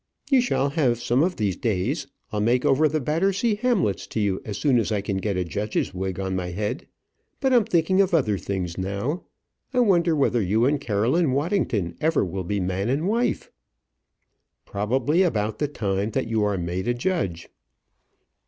"You shall have some of these days. I'll make over the Battersea Hamlets to you as soon as I can get a judge's wig on my head. But I'm thinking of other things now. I wonder whether you and Caroline Waddington ever will be man and wife?" "Probably about the time that you are made a judge."